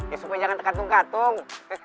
ya supaya jangan terkatung katung